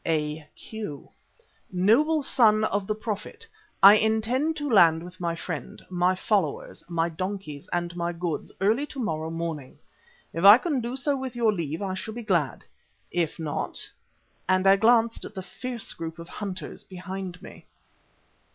A.Q.: "Noble son of the Prophet, I intend to land with my friend, my followers, my donkeys and my goods early to morrow morning. If I can do so with your leave I shall be glad. If not " and I glanced at the fierce group of hunters behind me.